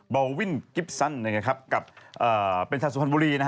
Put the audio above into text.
บอลวินกิฟซันกับเป็นชาวสุพรรณบุรี